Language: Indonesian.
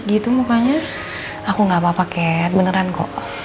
gak apa apa kat beneran kok